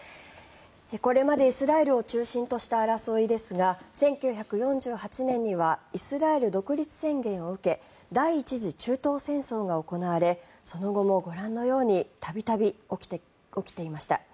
これまでイスラエルを中心とした争いですが１９４８年にはイスラエル独立宣言を受けて第１次中東戦争が起きその後もご覧のように度々起きていました。